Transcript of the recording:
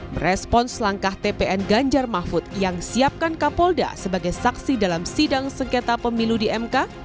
merespons langkah tpn ganjar mahfud yang siapkan kapolda sebagai saksi dalam sidang sengketa pemilu di mk